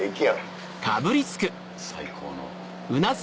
最高の。